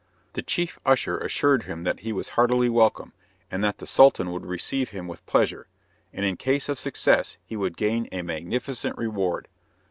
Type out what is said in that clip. The chief usher assured him that he was heartily welcome, and that the Sultan would receive him with pleasure; and in case of success, he would gain a magnificent reward.